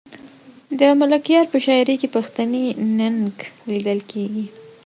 د ملکیار په شاعري کې پښتني ننګ لیدل کېږي.